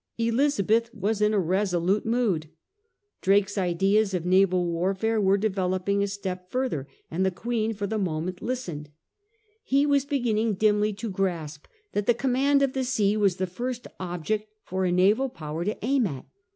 Elizabeth was in a resolute mood. ] ^rake*s ideas o f na val warfare were developing a step further, and the Queen for the moment listened! He was beginning dimly to grasp that the command of the sea was the first object for a naval power to aim at.